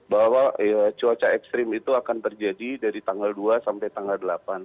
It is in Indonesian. bahwa cuaca ekstrim itu akan terjadi dari tanggal dua sampai tanggal delapan